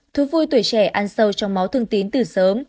thú vui tuổi trẻ ăn sâu trong máu thương tín từ sớm